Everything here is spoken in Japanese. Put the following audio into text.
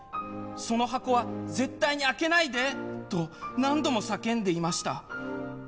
その箱は絶対に開けないで！」と何度も叫んでいました。